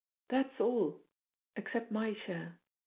That's all except my share.